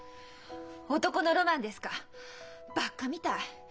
男のロマンですかバッカみたい！